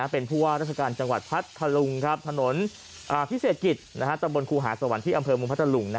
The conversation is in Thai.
เป็นผู้ว่าราชการจังหวัดพัทธลุงถนนพิเศษกิจตำบลครูหาสวรรค์ที่อำเภอเมืองพัทธลุง